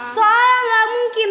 soalnya gak mungkin